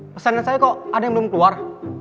pesanan saya kok ada yang belum keluar